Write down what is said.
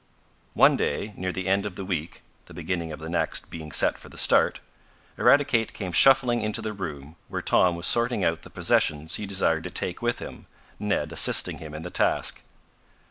One day, near the end of the week (the beginning of the next being set for the start) Eradicate came shuffling into the room where Tom was sorting out the possessions he desired to take with him, Ned assisting him in the task.